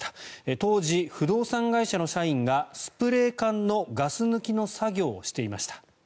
当時、不動産会社の社員がスプレー缶のガス抜きの作業をしていました。